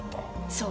そう。